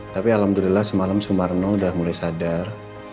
tapi alhamdulillah semalam sumarno udah mulai sadar